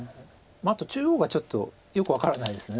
あと中央がちょっとよく分からないです